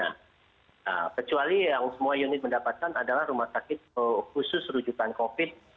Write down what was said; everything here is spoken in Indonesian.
nah kecuali yang semua unit mendapatkan adalah rumah sakit khusus rujukan covid